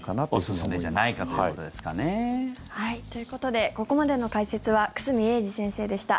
おすすめじゃないかということですかね。ということでここまでの解説は久住英二先生でした。